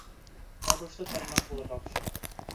Табышлы тармаҡ булырға оҡшай.